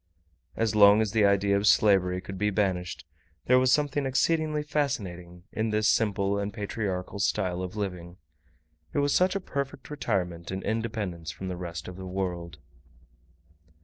As long as the idea of slavery could be banished, there was something exceedingly fascinating in this simple and patriarchal style of living: it was such a perfect retirement and independence from the rest of the world.